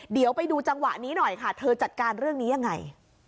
เดี๋ยวไปดูจังหวะนี้หน่อยค่ะเธอจัดการเรื่องนี้ยังไง